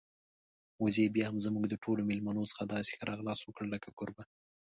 وزې بيا هم زموږ د ټولو میلمنو څخه داسې ښه راغلاست وکړ لکه کوربه.